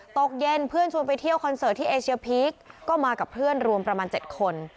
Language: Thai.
ตกเย็นเพื่อนชวนไปเที่ยวคอนเสิร์ตที่เอเชียพีคก็มากับเพื่อนรวมประมาณ๗คน